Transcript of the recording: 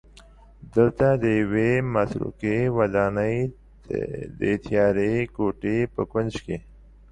دلته د یوې متروکې ودانۍ د تیارې کوټې په کونج کې